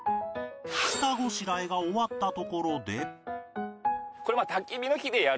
下ごしらえが終わったところで